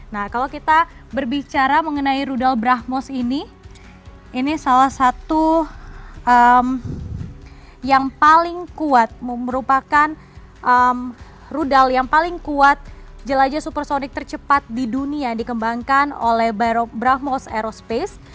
nah kalau kita berbicara mengenai rudal brahmos ini ini salah satu yang paling kuat merupakan rudal yang paling kuat jelajah supersonic tercepat di dunia yang dikembangkan oleh bayrobrahmos aerospace